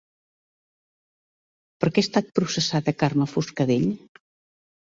Per què ha estat processada Carme Forcadell?